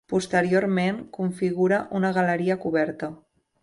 Posteriorment configura una galeria coberta.